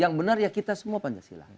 yang benar ya kita semua pancasila